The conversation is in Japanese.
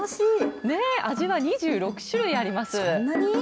味は２６種類あります。